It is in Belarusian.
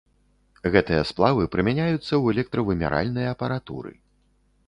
Гэтыя сплавы прымяняюцца ў электравымяральнай апаратуры.